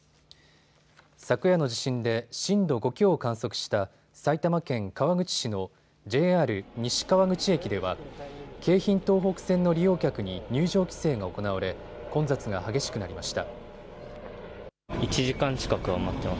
昨夜の地震で震度５強を観測した埼玉県川口市のＪＲ西川口駅では京浜東北線の利用客に入場規制が行われ混雑が激しくなりました。